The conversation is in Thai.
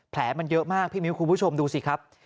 แผลมันเยอะมากพี่มิ้วคุณผู้ชมดูสิครับ